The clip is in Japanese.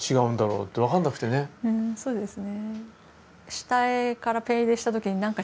うんそうですね。